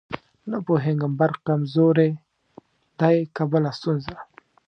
نه پوهېږم برق کمزورې دی که بله ستونزه.